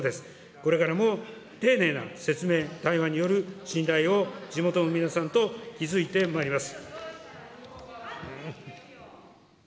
これからも丁寧な説明、対話による信頼を地元の皆さんと築いてまいります。